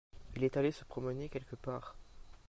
Il est allé se promener quelque part.